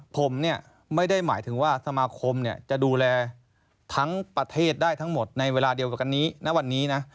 ผมเนี่ยไม่ได้หมายถึงว่าสมาคมจะดูแลทั้งประเทศได้ทั้งหมดในเวลาเดียวกันนี้ณวันนี้นะ